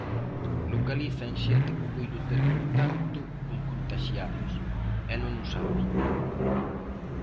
Localizan xente que puido ter contacto con contaxiados, e non o sabe.